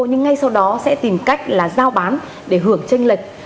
nhưng ngay sau đó sẽ tìm cách là giao bán để hưởng tranh lệch